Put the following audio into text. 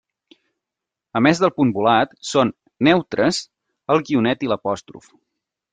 A més del punt volat, són “neutres” el guionet i l'apòstrof.